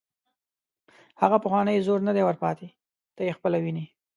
هغه پخوانی زور نه دی ور پاتې، ته یې خپله ویني.